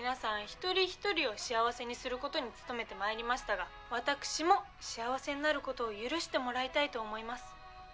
一人一人を幸せにすることに努めてまいりましたが私も幸せになることを許してもらいたいと思います。